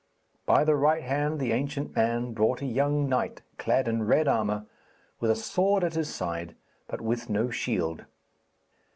By the right hand the ancient man brought a young knight, clad in red armour, with a sword at his side, but with no shield.